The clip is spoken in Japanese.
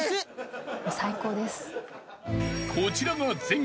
［こちらが］